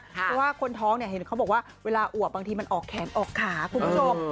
ก็เห็นว่าคนท้องนี่เค้าบอกว่าเวลาอั่วบางทีมันออกแขนออกขาครับครับคุณผู้ชม